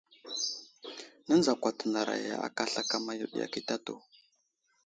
Nənzakwatanaray aka slakama yo ɗi akitatu.